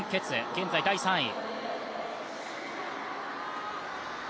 現在第３位。